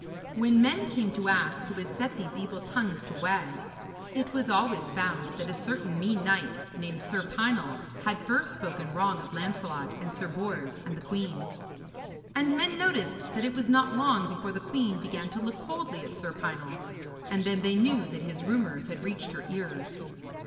When men came to ask who had set these evil tongues to wag, it was always found that a certain mean knight, named Sir Pinel, had first spoken wrong of Lancelot and Sir Bors and the queen. And men noticed that it was not long before the queen began to look coldly at Sir Pinel, and then they knew that his rumours had reached her ears.